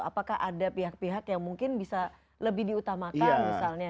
apakah ada pihak pihak yang mungkin bisa lebih diutamakan misalnya